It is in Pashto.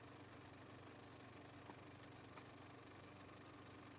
او هم په دوزخ او جهنم کې یو نږدې دوست ولري.